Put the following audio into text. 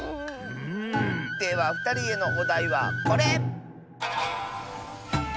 ではふたりへのおだいはこれ！